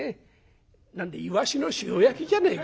何でえイワシの塩焼きじゃねえか」。